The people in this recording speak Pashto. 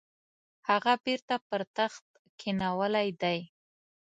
هغه بیرته پر تخت کښېنولی دی.